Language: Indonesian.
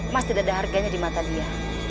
mas tidak ada harganya di mata dia